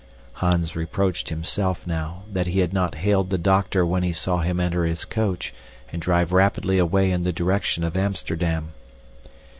Hans reproached himself, now, that he had not hailed the doctor when he saw him enter his coach and drive rapidly away in the direction of Amsterdam.